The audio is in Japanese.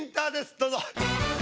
どうぞ。